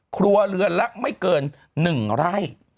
ครัวเรือนละไม่เกิน๑ไร่